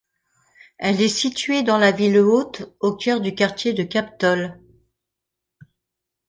Elle est située dans la ville haute, au cœur du quartier de Kaptol.